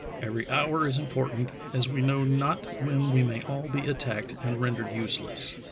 ... Every hour is important, as we know not when we may all be at tacked and rendered useless."